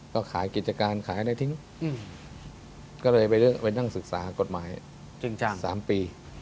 ก็ขายกิจการขายอะไรทิ้งก็เลยไปนั่งศึกษากฎหมาย๓ปี